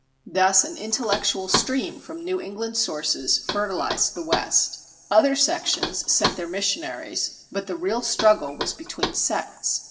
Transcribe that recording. Thus an intellectual stream from New England sources fertilized the West. Other sections sent their missionaries; but the real struggle was between sects.